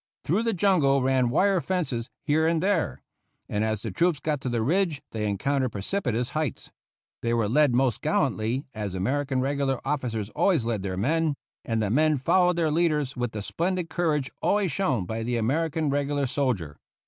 Through the jungle ran wire fences here and there, and as the troops got to the ridge they encountered precipitous heights. They were led most gallantly, as American regular officers always lead their men; and the men followed their leaders with the splendid courage always shown by the American regular soldier.